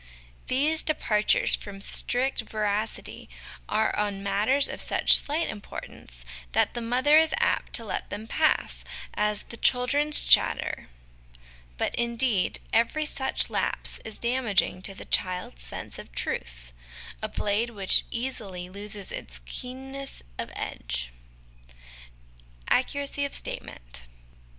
These departures from strict veracity are on matters of such slight importance that the mother is apt to let them pass as the ' children's chatter '; but, indeed, every such lapse is damaging to the child's sense of truth a blade which easily loses its keenness of edge. Accuracy of Statement.